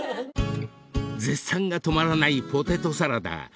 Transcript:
［絶賛が止まらないポテトサラダ］